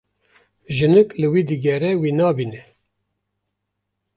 Jinik li wî digere wî nabîne.